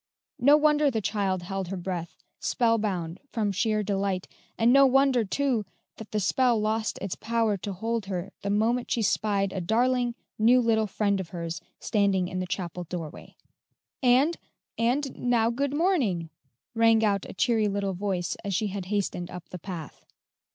No wonder the child held her breath, spellbound from sheer delight, and no wonder, too, that the spell lost its power to hold her the moment she spied a darling, new little friend of hers standing in the chapel doorway. "And and now good morning," rang out a cheery little voice as she had hastened up the path.